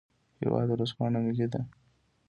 هیواد ورځپاڼه ملي ده